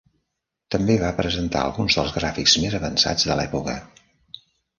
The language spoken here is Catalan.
També va presentar alguns dels gràfics més avançats de l'època.